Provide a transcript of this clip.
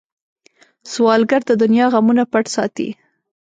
سوالګر د دنیا غمونه پټ ساتي